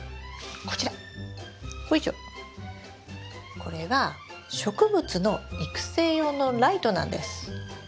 これは植物の育成用のライトなんです。